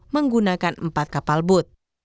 menggunakan empat kapal boot